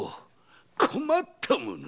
困ったものだ。